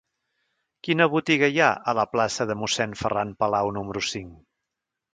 Quina botiga hi ha a la plaça de Mossèn Ferran Palau número cinc?